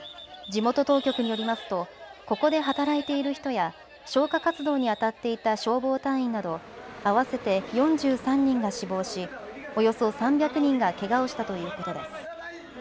地元当局によりますとここで働いている人や消火活動にあたっていた消防隊員など合わせて４３人が死亡しおよそ３００人がけがをしたということです。